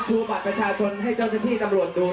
ชูบัตรประชาชนให้เจ้าท่านที่ตำรวจดูหน่อยครับ